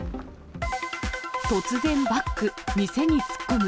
突然バック、店に突っ込む。